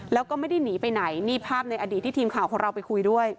แล้วก็ไม่ได้หนีไปไหนนี่ภาพในอดีตที่ทีมข่าวของเราไปคุยด้วย